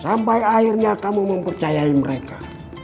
sampai akhirnya kamu mempercayai mereka